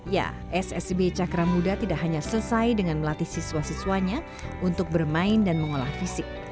ya ssb cakra muda tidak hanya selesai dengan melatih siswa siswanya untuk bermain dan mengolah fisik